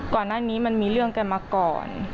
ก่อนหน้านี้มันมีเรื่องกันมาก่อน